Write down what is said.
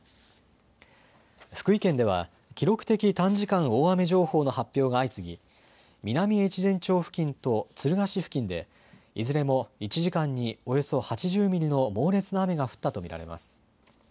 福井県では記録的短時間大雨情報の発表が相次ぎ南越前町付近と敦賀市付近でいずれも１時間におよそ８０ミリの猛烈な雨が降ったと見られます。